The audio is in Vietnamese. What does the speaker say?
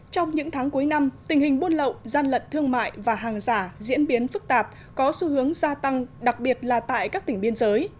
trong những tháng cuối năm tình hình buôn lậu gian lận thương mại và hàng giả diễn biến phức tạp có xu hướng gia tăng đặc biệt là tại các tỉnh biên giới